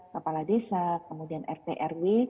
kepala desa kemudian rtrw